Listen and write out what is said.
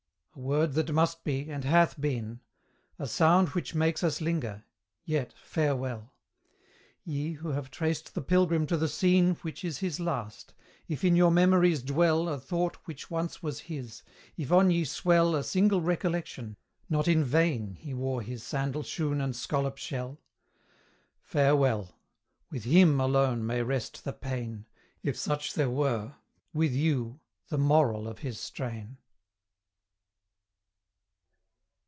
a word that must be, and hath been A sound which makes us linger; yet, farewell! Ye, who have traced the Pilgrim to the scene Which is his last, if in your memories dwell A thought which once was his, if on ye swell A single recollection, not in vain He wore his sandal shoon and scallop shell; Farewell! with HIM alone may rest the pain, If such there were with YOU, the moral of his strain.